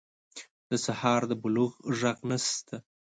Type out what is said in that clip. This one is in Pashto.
د سهار د بلوغ ږغ نشته